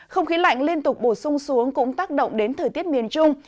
không khí lạnh liên tục bổ sung xuống cũng tác động đến thời tiết miền trung